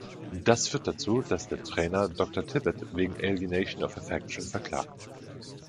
Das führt dazu, dass der Trainer Doktor Tibbett wegen Alienation of Affection verklagt.